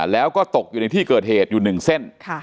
แล้วก็ตกอยู่ในที่เกิดเหตุอยู่๑เส้น